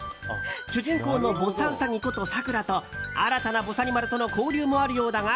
主人公のぼさうさぎこと、さくらと新たなぼさにまるとの交流もあるようだが。